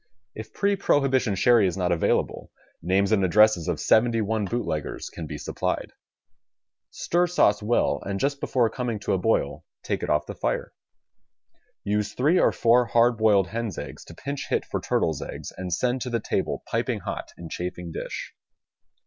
If pre Prohibition Sherry is not available, names and addresses of seventy one bootleggers can be supplied. Stir sauce well, and just before it comes to a boil, take it off the fire. Use three or four hard boiled hens' eggs to pinch hit for turtle's eggs and send to the table piping hot in chafing dish.